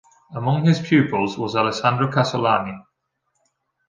Among his pupils was Alessandro Casolani.